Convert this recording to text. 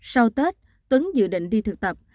sau tết tuấn dự định đi thực tập